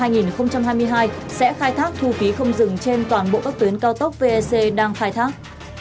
sẽ khai thác thu phí không dừng trên toàn bộ các tuyến cao tốc vec đang khai thác